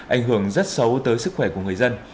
ảnh hưởng rất xấu tới sức khỏe của người dân